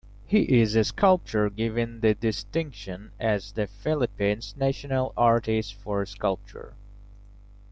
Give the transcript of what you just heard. He is a sculptor given the distinction as the Philippines' National Artist for Sculpture.